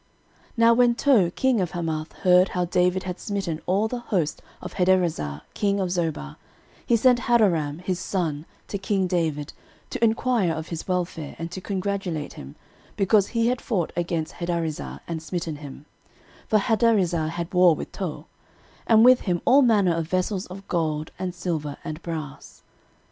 13:018:009 Now when Tou king of Hamath heard how David had smitten all the host of Hadarezer king of Zobah; 13:018:010 He sent Hadoram his son to king David, to enquire of his welfare, and to congratulate him, because he had fought against Hadarezer, and smitten him; (for Hadarezer had war with Tou;) and with him all manner of vessels of gold and silver and brass.